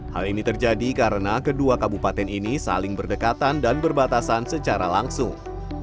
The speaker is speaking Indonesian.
hal ini terjadi karena kedua kabupaten ini saling berdekatan dan berbatasan secara langsung